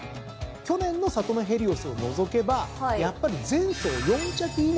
去年のサトノヘリオスを除けばやっぱり前走４着以内。